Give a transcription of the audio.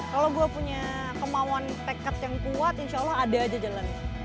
kalau gue punya kemauan tekad yang kuat insya allah ada aja jalan